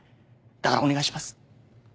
だからお願いします。